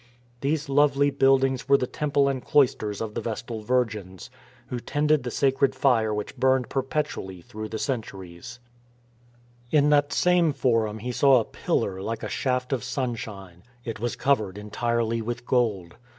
These lovely buildings were the temple and cloisters of the Vestal Virgins, who tended the sacred fire which burned perpetually through the centuries. 352 FINISHING THE COURSE In that same Forum he saw a pillar like a shaft of sunshine. It was covered entirely with gold.